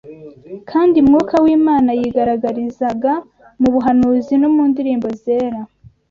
kandi Mwuka w’Imana yigaragarizaga mu buhanuzi no mu ndirimbo zera.